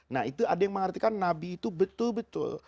nah itu ada yang mengartikan nabi itu betul betul